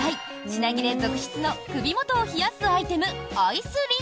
品切れ続出の首元を冷やすアイテム